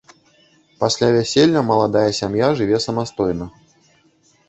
Пасля вяселля маладая сям'я жыве самастойна.